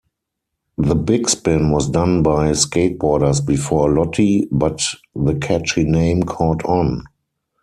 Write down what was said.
The Bigspin was done by skateboarders before Lotti but the catchy name caught on.